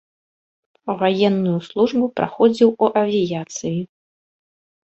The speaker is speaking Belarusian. Ваенную службу праходзіў у авіяцыі.